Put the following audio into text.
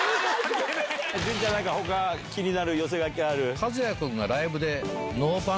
潤ちゃん他気になる寄せ書きある？